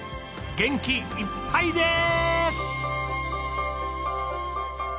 元気いっぱいです！